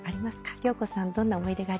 良子さんどんな思い出がありますか？